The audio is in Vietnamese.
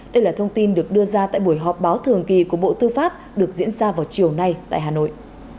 đây là thông tin được đưa ra tại buổi họp báo thường kỳ của bộ tư pháp được diễn ra vào chiều nay tại hà nội